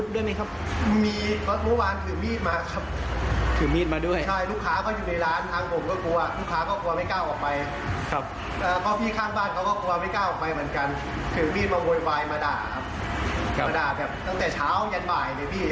และพ่อพี่ข้างบ้านเขาก็กลัวไม่กล้าออกไปถึงมีดมาโยนไฟมาด่า